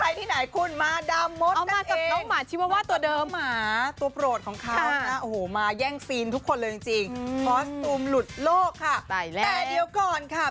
เอ๊ะนี่มันคนในแรกนึงว่าท่าศาสตราเรียกอะไร